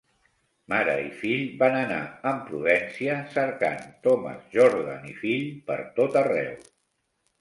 Mare i fill van anar amb prudència, cercant "Thomas Jordan i fill" per tot arreu.